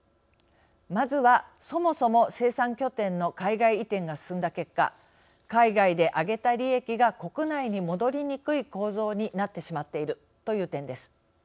まずは、そもそも生産拠点の海外移転が進んだ結果海外で上げた利益が国内に戻りにくい構造になってしまっているという点です。